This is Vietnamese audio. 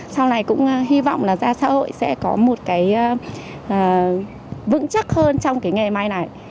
sau này cũng hy vọng là ra xã hội sẽ có một cái vững chắc hơn trong cái nghề may này